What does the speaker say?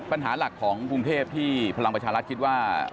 ปัญหาหลักของกรุงเทพที่พลังประชารัฐคิดว่า